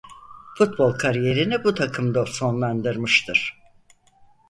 Futbol kariyerini bu takımda sonlandırmıştır.